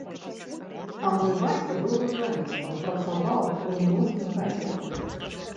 А мой бацька быў журналістам, працаваў у многіх газетах.